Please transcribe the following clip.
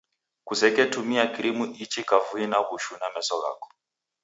Kuseketumia krimu ichi kavui na w'ushu na meso ghako.